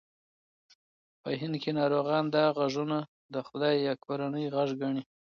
په هند کې ناروغان دا غږونه د خدای یا کورنۍ غږ ګڼي.